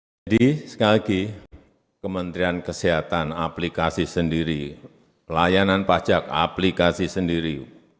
jadi sekali lagi kementerian kesehatan aplikasi sendiri layanan pajak aplikasi sendiri